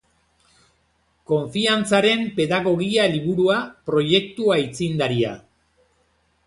Konfiantzaren pedagogia liburua, proiektu aitzindaria.